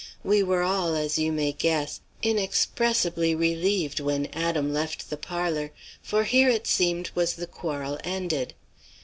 "We were all, as you may guess, inexpressibly relieved when Adam left the parlour, for here it seemed was the quarrel ended.